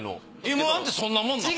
Ｍ−１ってそんなもんなの？